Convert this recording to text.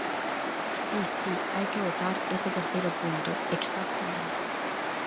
Si, si, hai que votar ese terceiro punto, exactamente.